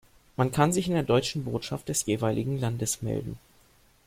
Man kann sich in der deutschen Botschaft des jeweiligen Landes melden.